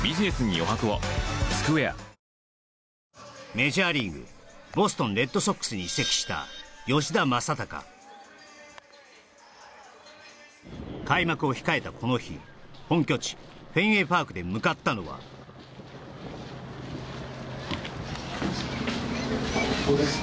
メジャーリーグボストン・レッドソックスに移籍した吉田正尚開幕を控えたこの日本拠地フェンウェイ・パークで向かったのはあっ